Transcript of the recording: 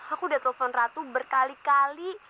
aku udah telepon ratu berkali kali